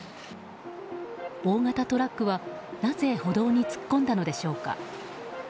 大型トラックは、なぜ歩道に突っ込んだのでしょうか。